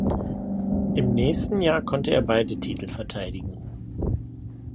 Im nächsten Jahr konnte er beide Titel verteidigen.